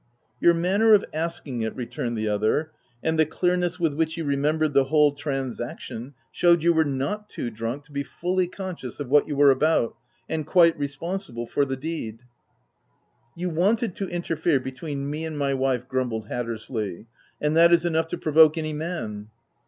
"Your manner of asking it," returned the other, " and the clearness with which you re membered the whole transaction, showed you OF WILDFELL HALL. 267 were not too drunk to be fully conscious of what you were about, and quite responsible for the deed." M You wanted to interfere between me and my wife/' grumbled Hattersley, " and that is enough to provoke any man."